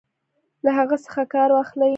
له هغه څخه کار واخلي.